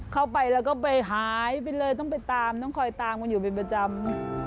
เข้าไปแล้วก็ไปหายไปเลยต้องไปตามต้องคอยตามมันอยู่เป็นประจำ